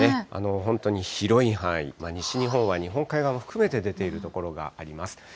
本当に広い範囲、西日本は日本海側も含めて出ている所があります。